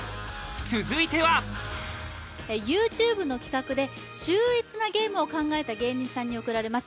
続いてはＹｏｕＴｕｂｅの企画で秀逸なゲームを考えた芸人さんに贈られます